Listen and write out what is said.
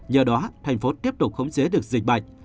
do đó thành phố tiếp tục khống chế được dịch bệnh